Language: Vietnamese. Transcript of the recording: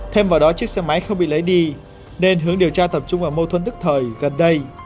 thêm vào đó chiếc xe máy không bị lấy đi nên hướng điều tra tập trung vào mâu thuẫn tức thời gần đây